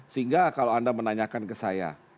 sehingga kalau anda menanyakan ke saya